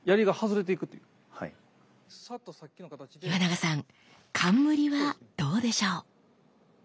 岩永さん冠はどうでしょう？